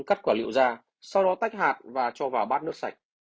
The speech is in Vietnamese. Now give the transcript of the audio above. cắt quả liệu ra sau đó tách hạt và cho vào bát nước sạch